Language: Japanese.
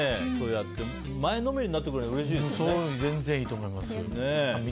前のめりになってくれるのは全然いいと思います。